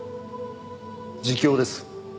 自供です。